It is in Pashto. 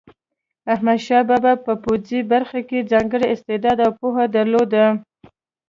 احمدشاه بابا په پوځي برخه کې ځانګړی استعداد او پوهه درلوده.